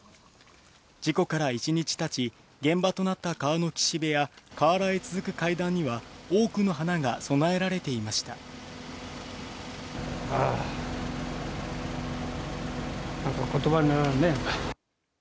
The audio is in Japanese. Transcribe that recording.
事故から１日たち、現場となった川の岸辺や河原へ続く階段には多くの花が供えられてああ、ことばにならんね。